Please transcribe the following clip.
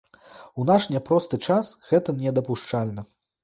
У наш няпросты час гэта недапушчальна.